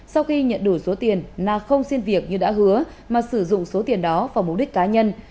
sau khi nhận đủ số tiền na không xin việc như đã hứa mà sử dụng số tiền đó vào mục đích cá nhân